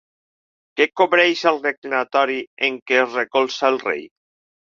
Què cobreix el reclinatori en què es recolza el rei?